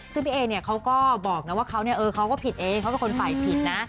ซึ่งพี่เอเนี่ยเขาก็บอกนะว่าเขาก็ผิดเองเขาเป็นคนฝ่ายผิดนะ